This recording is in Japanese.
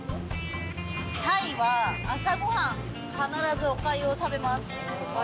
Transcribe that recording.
タイは朝ごはん、必ずおかゆを食べます。